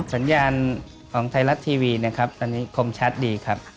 สัญญาณของไทยรัฐทีวีนะครับตอนนี้คมชัดดีครับ